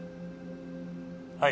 はい。